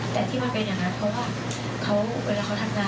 และก็จะเป็นเหตุผลที่จะเป็นผลของนางสาว